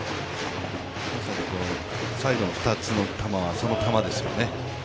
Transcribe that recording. まさに最後の２つの球は、その球ですよね。